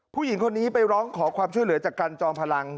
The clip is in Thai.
ผู้หญิงคนนี้ไปร้องขอความช่วยเหลือจากกันจอมพลัง